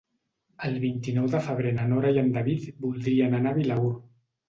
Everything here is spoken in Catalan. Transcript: El vint-i-nou de febrer na Nora i en David voldrien anar a Vilaür.